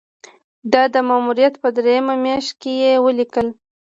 دا د ماموریت په دریمه میاشت کې یې ولیکل.